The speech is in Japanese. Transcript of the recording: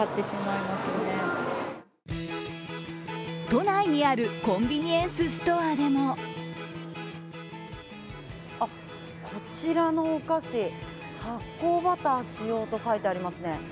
都内にあるコンビニエンスストアでもこちらのお菓子、発酵バター使用と書いてありますね。